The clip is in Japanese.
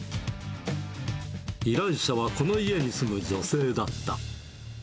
依頼者はこの家に住む女性だった。